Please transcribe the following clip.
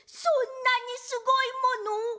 そんなにすごいもの！？